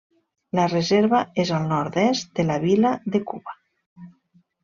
La reserva és al nord-est de la vila de Cuba.